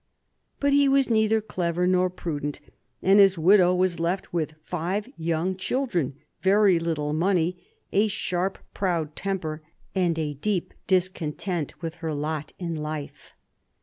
But he was neither clever nor prudent, and his widow was left with five young children, very little money, a sharp, proud temper, and a deep discontent with her lot in life.